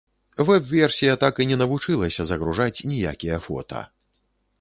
Вэб-версія так і не навучылася загружаць ніякія фота.